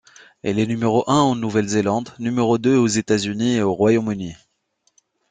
Elle est numéro un en Nouvelle-Zélande, numéro deux aux États-Unis et au Royaume-Uni.